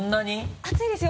熱いですよ！